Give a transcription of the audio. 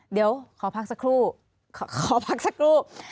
เดี๋ยวขอพักสักครู่ขอพักสักครู่